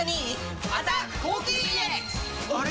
あれ？